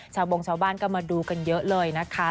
บงชาวบ้านก็มาดูกันเยอะเลยนะคะ